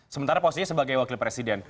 sementara posisinya sebagai wakil presiden